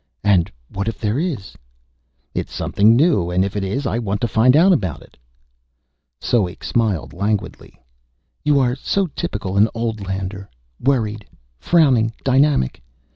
"And what if there is?" "It's something new, and if it is, I want to find out about it." Soek smiled languidly. "You are so typical an old lander worried, frowning, dynamic.